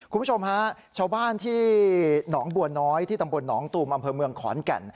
คุณผู้ชมฮะชาวบ้านที่หนองบัวน้อยที่ตำบลหนองตูมอำเภอเมืองขอนแก่น